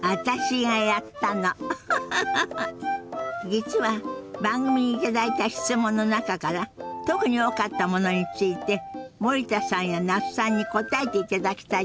実は番組に頂いた質問の中から特に多かったものについて森田さんや那須さんに答えていただきたいと思って。